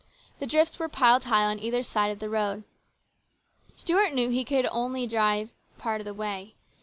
The drifts were piled high on either side of the road. Stuart knew he could drive only part of the way.